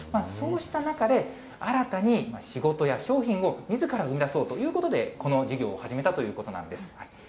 そうした中で、新たに仕事や商品をみずから生み出そうということで、この事業を始めたということなんです。